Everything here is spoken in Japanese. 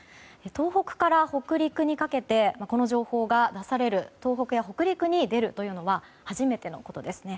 東北から北陸にかけてこの情報が出される東北や北陸に出るというのは初めてのことです。